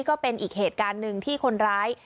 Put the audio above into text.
ก็เป็นอีกเหตุการณ์หนึ่งที่คนร้าย